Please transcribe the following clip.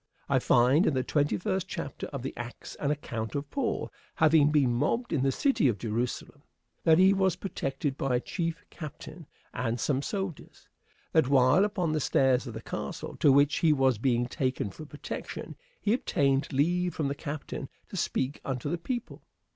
I find in the twenty first chapter of the Acts an account of Paul having been mobbed in the city of Jerusalem; that he was protected by a chief captain and some soldiers; that, while upon the stairs of the castle to which he was being taken for protection, he obtained leave from the captain to speak unto the people.